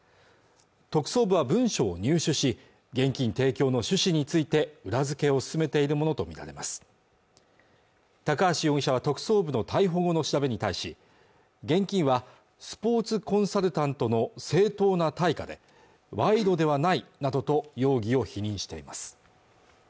特捜部は文書を入手し現金提供の趣旨について裏づけを進めているものと見られます高橋容疑者は特捜部の逮捕後の調べに対し現金はスポーツコンサルタントの正当な対価で賄賂ではないなどと容疑を否認しています